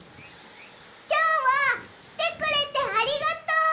きょうはきてくれてありがとう！